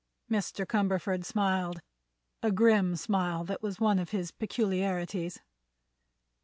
Mr. Cumberford smiled—a grim smile that was one of his peculiarities.